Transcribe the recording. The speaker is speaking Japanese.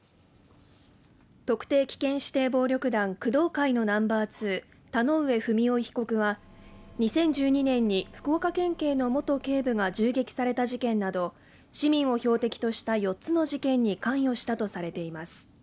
特定危険指定暴力団工藤会のナンバー２田上不美夫被告は２０１２年に福岡県警の元警部が銃撃された事件など市民を標的とした４つの事件に関与したとされています